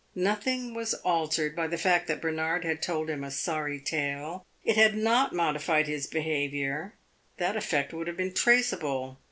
Nothing was altered by the fact that Bernard had told him a sorry tale; it had not modified his behavior that effect would have been traceable.